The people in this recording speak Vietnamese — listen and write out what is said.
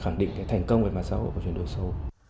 khẳng định cái thành công về mặt sâu của chuyển đổi số